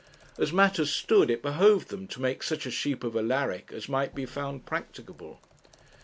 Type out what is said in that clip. As matters stood it behoved them to make such a sheep of Alaric as might be found practicable.